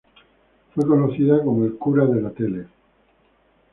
Fue conocido como "el cura de la tele".